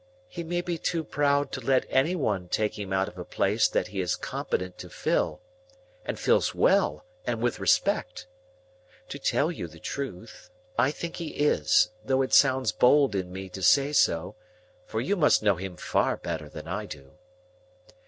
"He may be too proud to let any one take him out of a place that he is competent to fill, and fills well and with respect. To tell you the truth, I think he is; though it sounds bold in me to say so, for you must know him far better than I do."